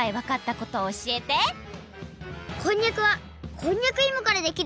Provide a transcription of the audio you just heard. こんにゃくはこんにゃくいもからできる。